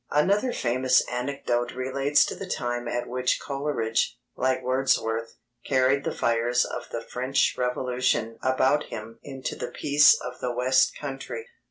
Another famous anecdote relates to the time at which Coleridge, like Wordsworth, carried the fires of the French Revolution about him into the peace of the West Country.